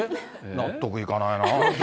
納得いかないなぁ。